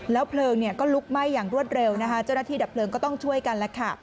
เพลิงก็ลุกไหม้อย่างรวดเร็วนะคะเจ้าหน้าที่ดับเพลิงก็ต้องช่วยกันแล้วค่ะ